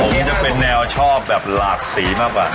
ผมจะเป็นแนวชอบแบบหลากสีมากกว่า